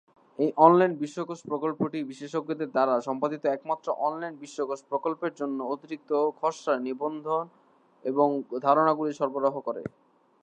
এই অনলাইন বিশ্বকোষ প্রকল্পটি বিশেষজ্ঞদের দ্বারা সম্পাদিত একমাত্র অনলাইন বিশ্বকোষ প্রকল্পের জন্য অতিরিক্ত খসড়া নিবন্ধ এবং ধারণাগুলি সরবরাহ করে।